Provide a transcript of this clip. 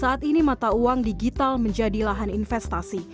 saat ini mata uang digital menjadi lahan investasi